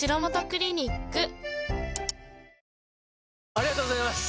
ありがとうございます！